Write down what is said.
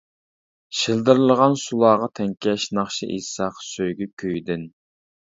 شىلدىرلىغان سۇلارغا تەڭكەش، ناخشا ئېيتساق سۆيگۈ كۈيىدىن.